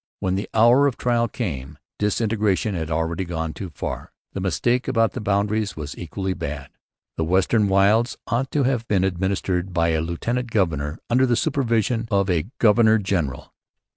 When the hour of trial came disintegration had already gone too far. The mistake about the boundaries was equally bad. The western wilds ought to have been administered by a lieutenant governor under the supervision of a governor general.